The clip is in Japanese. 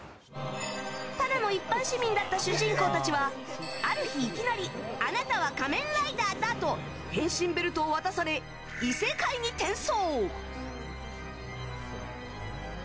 ただの一般市民だった主人公たちはある日いきなりあなたは仮面ライダーだと変身ベルトを渡され異世界に転送。